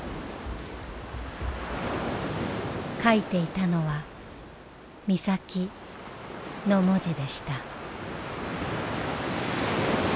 書いていたのは「みさき」の文字でした。